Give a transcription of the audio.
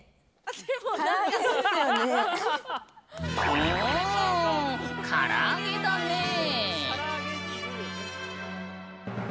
ぬん唐揚げだねえ。